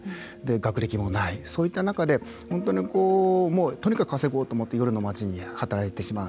学歴もないそういった中で本当にとにかく稼ごうと思って夜の街に働きに行ってしまう。